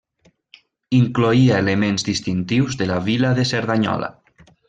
Incloïa elements distintius de la vila de Cerdanyola.